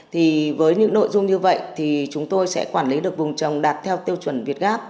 thì với những nội dung như vậy thì chúng tôi sẽ quản lý được vùng trồng đạt theo tiêu chuẩn việt gáp